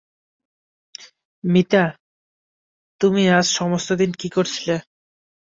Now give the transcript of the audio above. মিতা, তুমি আজ সমস্ত দিন কী করছিলে।